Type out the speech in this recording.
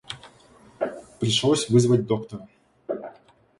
Пришлось вызвать доктора.